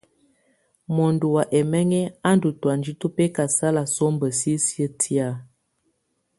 Mɔndɔ wa ɛmɛŋɛ á ndù tɔ̀ánjɛ tù bɛkasala sɔmba sisiǝ́ tɛ̀á.